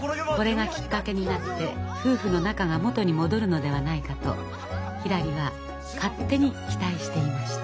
これがきっかけになって夫婦の仲が元に戻るのではないかとひらりは勝手に期待していました。